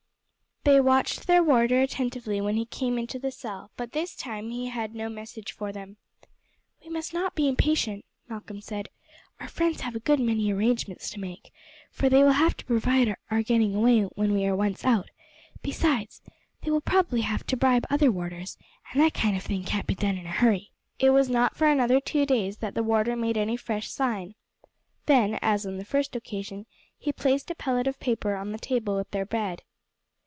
They watched their warder attentively when he next came into the cell, but this time he had no message for them. "We must not be impatient," Malcolm said; "our friends have a good many arrangements to make, for they will have to provide for our getting away when we are once out; besides, they will probably have to bribe other warders, and that kind of thing can't be done in a hurry." It was not for another two days that the warder made any fresh sign. Then, as on the first occasion, he placed a pellet of paper on the table with their bread.